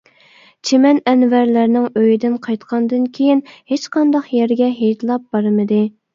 چىمەن ئەنۋەرلەرنىڭ ئۆيىدىن قايتقاندىن كېيىن ھېچقانداق يەرگە ھېيتلاپ بارمىدى.